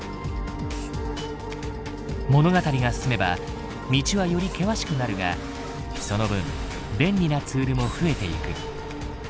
物語が進めば道はより険しくなるがその分便利なツールも増えていく。